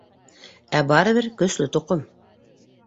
Ә барыбер көслө тоҡом!